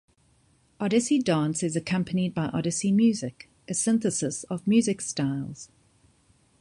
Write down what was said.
Odissi dance is accompanied by Odissi music, a synthesis of music styles.